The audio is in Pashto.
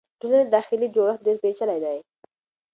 د ټولنې داخلي جوړښت ډېر پېچلی دی.